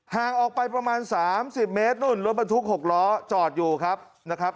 ห่างออกไปประมาณ๓๐เมตรนู่นรถบรรทุก๖ล้อจอดอยู่ครับนะครับ